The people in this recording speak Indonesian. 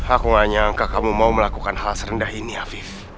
aku gak nyangka kamu mau melakukan hal serendah ini afif